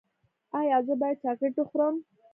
ایا زه باید چاکلیټ وخورم؟